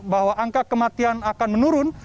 bahwa angka kematian akan menurun